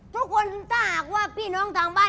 ทุกคนถ้าหากว่า